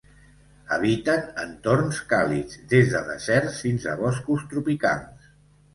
Habiten entorns càlids, des de deserts fins a boscos tropicals.